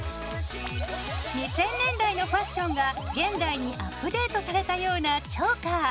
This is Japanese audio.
２０００年代のファッションが現代にアップデートされたようなチョーカー。